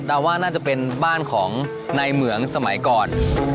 ว่าน่าจะเป็นบ้านของนายเหมืองสมัยก่อน